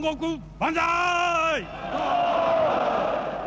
万歳！